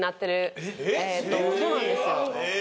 そうなんですよ